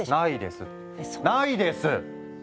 ないです！